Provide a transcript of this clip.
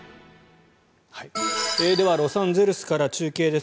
では、ロサンゼルスから中継です。